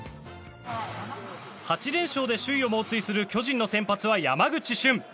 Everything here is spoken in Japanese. ８連勝で首位を猛追する巨人の先発は山口俊。